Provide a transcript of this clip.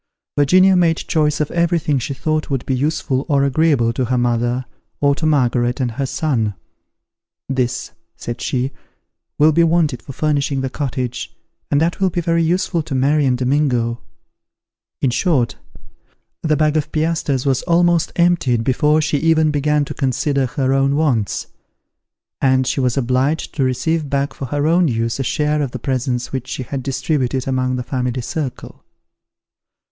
Virginia made choice of everything she thought would be useful or agreeable to her mother, or to Margaret and her son. "This," said she, "will be wanted for furnishing the cottage, and that will be very useful to Mary and Domingo." In short, the bag of piastres was almost emptied before she even began to consider her own wants; and she was obliged to receive back for her own use a share of the presents which she had distributed among the family circle.